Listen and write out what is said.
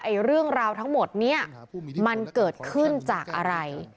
เรื่องราวทั้งหมดเนี่ยมันเกิดขึ้นจากอะไร